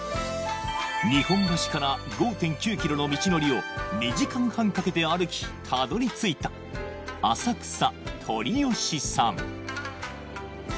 日本橋から５．９ｋｍの道のりを２時間半かけて歩きたどりついた浅草鶏よしさん